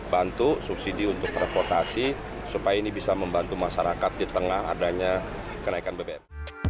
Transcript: bantu subsidi untuk reportasi supaya ini bisa membantu masyarakat di tengah adanya kenaikan bbm